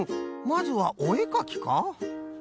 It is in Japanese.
まずはおえかきか？